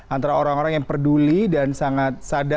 antara orang orang yang peduli dan sangat sadar